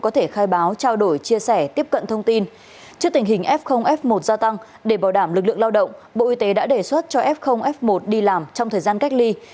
trước tình hình f f một gia tăng để bảo đảm lực lượng lao động bộ y tế đã đề xuất cho f f một đi làm trong thời gian cách ly